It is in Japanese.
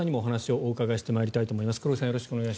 お願いします。